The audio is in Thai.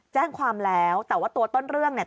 แจ้งความแล้วแต่ว่าตัวต้นเรื่องเนี่ย